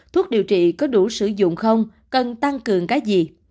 thuốc điều trị có đủ sử dụng không cần tăng cường cái gì